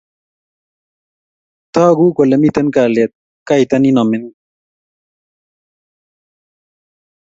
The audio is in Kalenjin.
togu kule mito kaliet kaita nino mining'